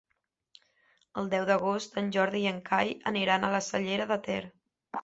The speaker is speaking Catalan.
El deu d'agost en Jordi i en Cai aniran a la Cellera de Ter.